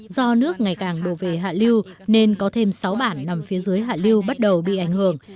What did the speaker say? do nước ngày càng đổ về hạ lưu nên có thêm sáu bản nằm phía dưới hạ lưu bắt đầu bị ảnh hưởng